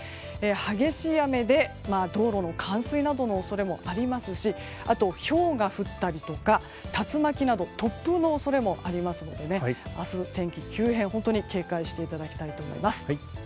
激しい雨で道路の冠水などの恐れもありますしあと、ひょうが降ったりとか竜巻など突風の恐れもありますのでね明日、天気急変本当に警戒していただきたいと思います。